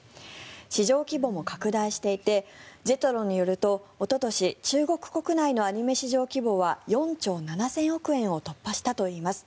市場規模も拡大していてＪＥＴＲＯによるとおととし中国国内のアニメ市場規模は４兆７０００億円を突破したといいます。